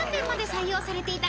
採用されていた